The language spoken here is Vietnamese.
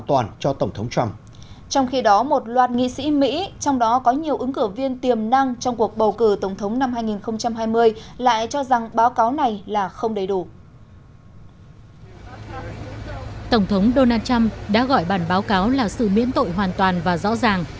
tổng thống donald trump đã gọi bản báo cáo là sự miễn tội hoàn toàn và rõ ràng